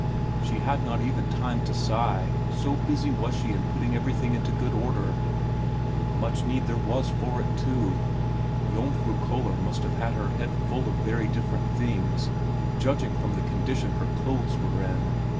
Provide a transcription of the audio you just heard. She had not even time to sigh, so busy was she in putting everything into good order. Much need there was for it, too; Jomfru Köller must have had her head full of very different things, judging from the condition her clothes were in.